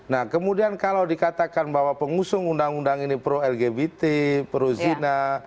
nah kemudian kalau dikatakan bahwa pengusung undang undang ini pro lgbt pro zina